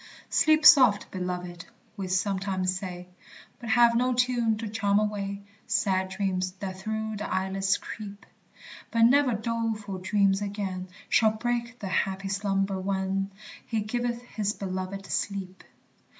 "Sleep soft, beloved!" we sometimes say, But have no tune to charm away Sad dreams that through the eyelids creep; But never doleful dream again Shall break the happy slumber when "He giveth his beloved sleep."